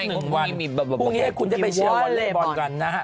พรุ่งนี้ให้คุณไปเชียร์วอลก่อนนะครับ